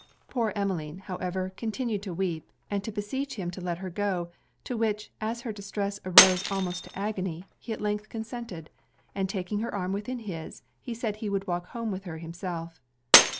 Poor Emmeline, however, continued to weep, and to beseech him to let her go; to which, as her distress arose almost to agony, he at length consented: and taking her arm within his, he said he would walk home with her himself.